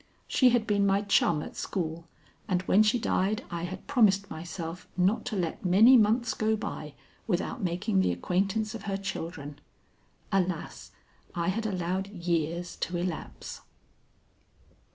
She had been my chum at school, and when she died I had promised myself not to let many months go by without making the acquaintance of her children. Alas! I had allowed years to elapse.